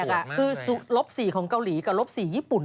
อันนี้แปลกอะคือลบสีของเกาหลีกับลบสีญี่ปุ่น